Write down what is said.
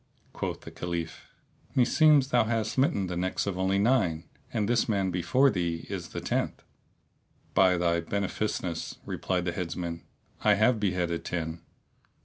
Quoth the Caliph, "Meseems thou hast smitten the necks of only nine, and this man before thee is the tenth." "By thy beneficence!" replied the Headsman, "I have beheaded ten."